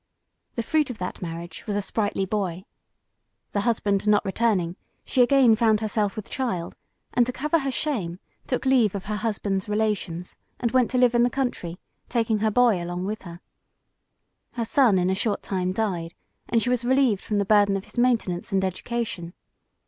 The fruit of that marriage was a sprightly boy. The husband not returning, she again found herself with child, and to cover her shame, took leave of her husband's relations, and went to live in the country, taking her boy along with her. Her son in a short time died, and she was relieved from the burden of his maintenance and education.